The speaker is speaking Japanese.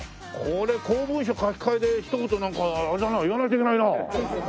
これ公文書書き換えでひと言なんかあれだな言わないといけないな。